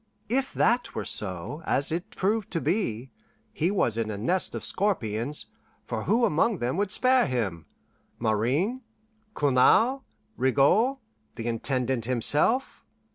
If that were so as it proved to be he was in a nest of scorpions; for who among them would spare him: Marin, Cournal, Rigaud, the Intendant himself?